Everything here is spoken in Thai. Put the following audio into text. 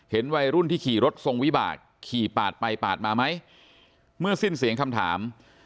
วัยรุ่นที่ขี่รถทรงวิบากขี่ปาดไปปาดมาไหมเมื่อสิ้นเสียงคำถาม